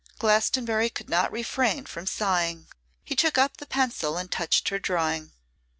Glastonbury could not refrain from sighing. He took up the pencil and touched her drawing.